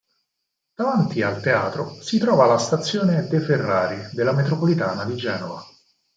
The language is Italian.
Davanti al teatro si trova la stazione "De Ferrari" della metropolitana di Genova.